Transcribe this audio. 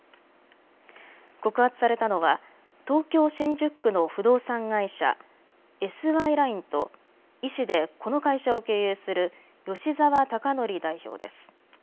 告発されたのは東京新宿区の不動産会社、ＳＹＬｉｎｅと医師でこの会社を経営する吉澤孝典代表です。